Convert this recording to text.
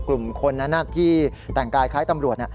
กลุ่มคนนั้นที่แต่งกายคล้ายตำรวจ